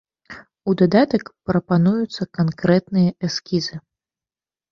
У дадатак прапануюцца канкрэтныя эскізы.